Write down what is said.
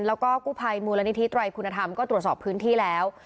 แล้วก็กู้ภัยมูลนิธิไตรคุณธรรมก็ตรวจสอบพื้นที่แล้ว